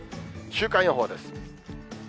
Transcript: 週間予報です。